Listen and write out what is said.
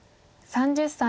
３０歳。